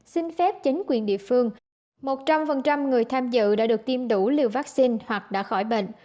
xin phép chính quyền địa phương một trăm linh người tham dự đã được tiêm đủ liều vaccine hoặc đã khỏi bệnh